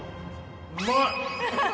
うまい！